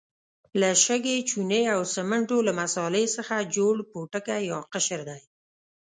له شګې، چونې او سمنټو له مسالې څخه جوړ پوټکی یا قشر دی.